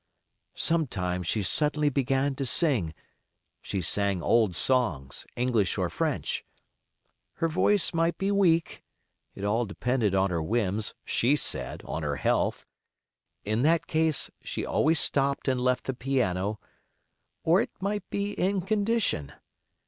Sometimes she suddenly began to sing (she sang old songs, English or French); her voice might be weak (it all depended on her whims; SHE said, on her health), in that case she always stopped and left the piano; or it might be "in condition".